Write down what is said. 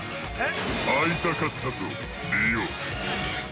◆会いたかったぞ、リオ。